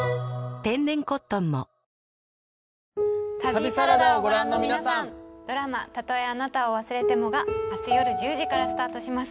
旅サラダをご覧の皆さん、ドラマ「たとえあなたを忘れても」があす夜１０時からスタートします。